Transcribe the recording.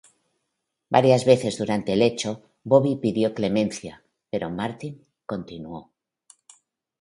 Varias veces durante el hecho, Bobby pidió clemencia, pero Martin continuó.